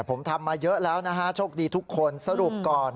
ผมทำมาเยอะแล้วนะฮะโชคดีทุกคน